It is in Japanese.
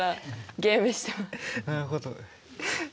なるほど。